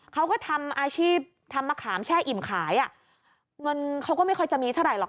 เขาก็ทำอาชีพทำมะขามแช่อิ่มขายอ่ะเงินเขาก็ไม่ค่อยจะมีเท่าไหรอก